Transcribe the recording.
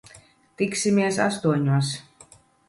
Tiksimies astoņos.